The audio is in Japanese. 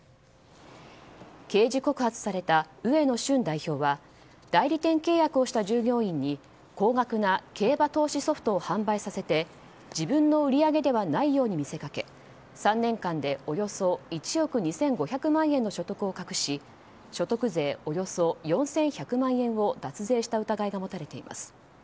刑事告発された植野瞬代表は代理店契約をした従業員に高額な競馬投資ソフトを販売させて自分の売り上げではないように見せかけ３年間でおよそ１億２５００万円の所得を隠し所得税およそ４１００万円を脱税した疑いが持たれています。